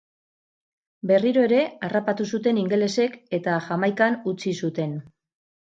Berriro ere harrapatu zuten ingelesek eta Jamaikan utzi zuten.